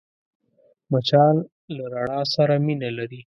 مچان له رڼا سره مینه لري